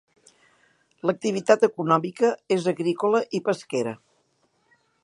L'activitat econòmica és agrícola i pesquera.